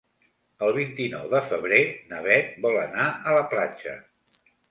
El vint-i-nou de febrer na Bet vol anar a la platja.